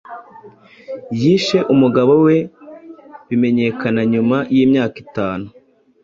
Yishe umugabo we bimenyekana nyuma y’imyaka itanu